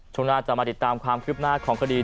ช่วงหน้าจะมาติดตามความคืบหน้าของคดี